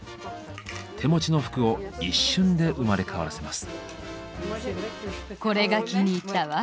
手持ちの服を一瞬で生まれ変わらせます。